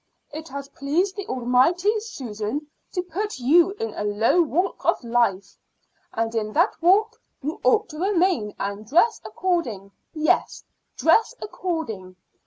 It has pleased the Almighty, Susan, to put you in a low walk of life, and in that walk you ought to remain, and dress according yes, dress according.